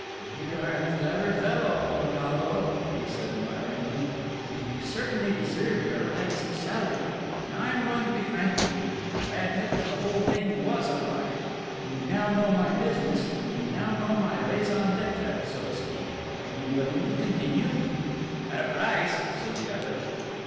"You are a clever fellow, Poltavo," he said admiringly, "and you certainly deserve your rise of salary. Now I am going to be frank with you. I admit that the whole thing was a blind. You now know my business, and you now know my raison d'être, so to speak. Are you willing to continue?" "At a price," said the other.